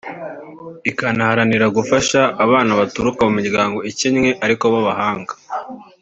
ikanaharanira gufasha abana baturuka mu miryango ikennye ariko b’abahanga